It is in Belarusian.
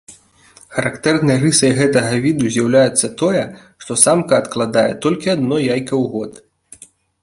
Характэрнай рысай гэтага віду з'яўляецца тое, што самка адкладае толькі адно яйка ў год.